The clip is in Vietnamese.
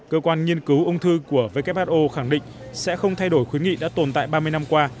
cơ quan nghiên cứu ung thư của who khẳng định sẽ không thay đổi khuyến nghị đã tồn tại ba mươi năm qua